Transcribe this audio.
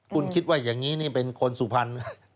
คุณคิดว่าอย่างนี้นี่เป็นคนสุพรรณ